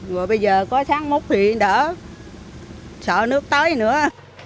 rồi bây giờ có sáng múc thì đỡ sợ nước tới nữa